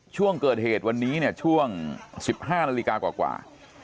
ช่วงเกิดเหตุวันนี้เนี่ยช่วง๑๕นาฬิกากว่า